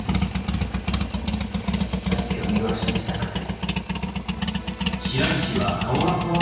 兄貴を見殺しにしたくせに。